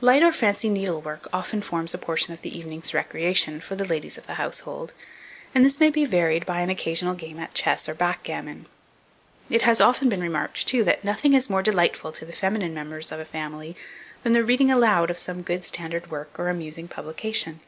Light or fancy needlework often forms a portion of the evening's recreation for the ladies of the household, and this may be varied by an occasional game at chess or backgammon. It has often been remarked, too, that nothing is more delightful to the feminine members of a family, than the reading aloud of some good standard work or amusing publication.